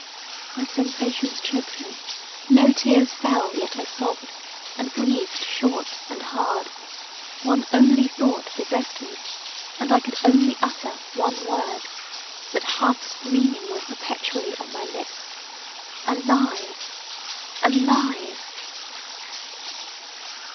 My sensations choked me No tears fell yet I sobbed, and breathed short and hard; one only thought possessed me, and I could only utter one word, that half screaming was perpetually on my lips; Alive! Alive!